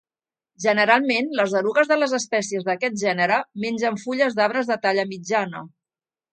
Generalment les erugues de les espècies d'aquest gènere mengen fulles d'arbres de talla mitjana.